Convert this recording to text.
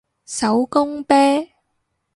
手工啤